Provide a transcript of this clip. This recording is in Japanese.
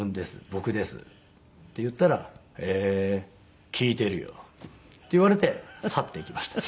僕です」って言ったら「へえー！聞いてるよ」って言われて去っていきました。